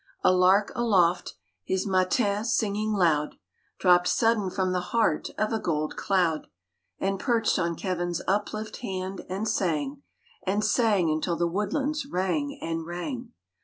A lark aloft, his matins singing loud, Dropped sudden from the heart of a gold cloud, And perched on Kevin's uplift hand and sang, And sang until the woodlands rang and rang.